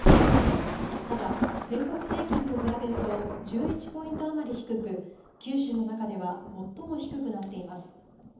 ただ、全国平均と比べると１１ポイントあまり低く九州の中では最も低くなっています。